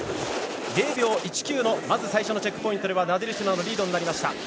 ０秒１９のまずチェックポイントナディルシナのリードになりました。